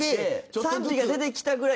賛否が出てきたぐらい。